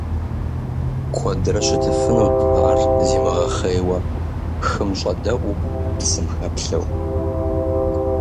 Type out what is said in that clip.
Куэдрэ щытыфынут ар зимыгъэхъейуэ хым щӏэдэӏуу, псым хэплъэу.